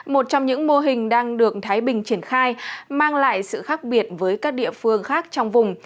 một trong những mô hình đang được thái bình triển khai mang lại sự khác biệt với các địa phương khác trong vùng